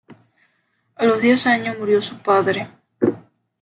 A los diez años murió su padre.